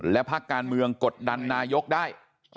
และภาคการเมืองกดดันนายกได้